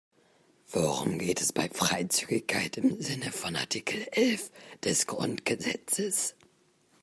Worum geht es bei Freizügigkeit im Sinne von Artikel elf des Grundgesetzes?